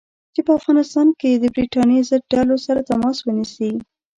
چې په افغانستان کې د برټانیې ضد ډلو سره تماس ونیسي.